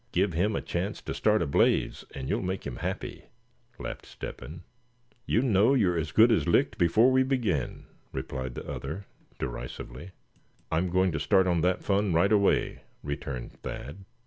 Give him a chance to start a blaze, and you'll make him happy," laughed Step hen. "You know you're as good as licked, before we begin," replied the other, derisively. "I'm going to start on that fun right away," returned Thad.